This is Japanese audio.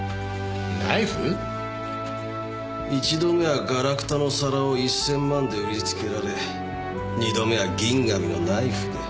１度目はガラクタの皿を１０００万で売りつけられ２度目は銀紙のナイフで。